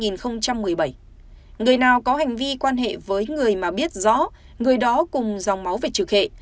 năm hai nghìn một mươi bảy người nào có hành vi quan hệ với người mà biết rõ người đó cùng dòng máu về trực hệ